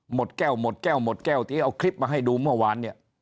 หมดแก้วหมดแก้วหมดแก้วที่เอาคลิปมาให้ดูเมื่อวานเนี่ย